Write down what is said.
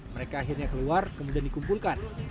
mereka akhirnya keluar kemudian dikumpulkan